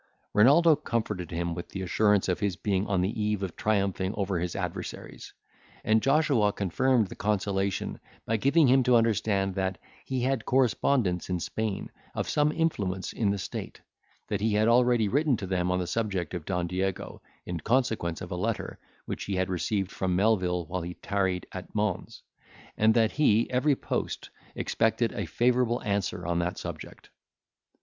Renaldo comforted him with the assurance of his being on the eve of triumphing over his adversaries; and Joshua confirmed the consolation, by giving him to understand, that he had correspondents in Spain of some influence in the state; that he had already written to them on the subject of Don Diego, in consequence of a letter which he had received from Melvil while he tarried at Mons, and that he, every post, expected a favourable answer on that subject.